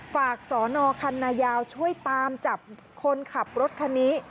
ฝากสอนอคันนายาวช่วยตามจับคนขับรถคันนี้